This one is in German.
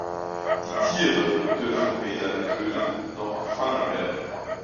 Die Tiere dürfen weder getötet noch gefangen werden.